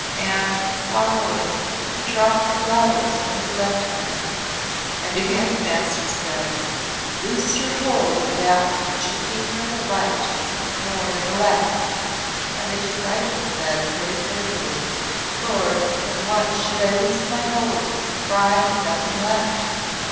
And, sorrowing, he dropped the flowers from his left hand. And again the Master said; "Loose your hold of that which is neither in the right nor in the left." And the disciple said very pitifully; "Lord, of what should I loose my hold for I have nothing left?"